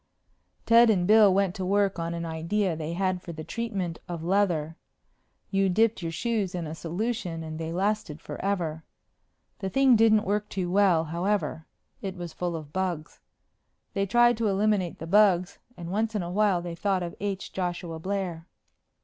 Ted and Bill went to work on an idea they had for the treatment of leather. You dipped your shoes in a solution and they lasted forever. The thing didn't work too well, however. It was full of bugs. They tried to eliminate the bugs and once in a while they thought of H. Joshua Blair.